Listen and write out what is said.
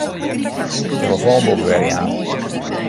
Tillefoanboek werjaan.